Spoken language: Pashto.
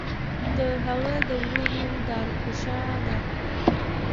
د هغه د ورور نوم داراشکوه و.